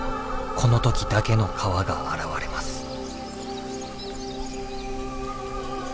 この時だけの川が現れます。